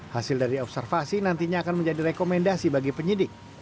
hasil dari observasi nantinya akan menjadi rekomendasi bagi penyidik